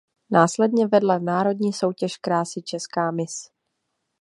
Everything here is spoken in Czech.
Následně vedla národní soutěž krásy Česká Miss.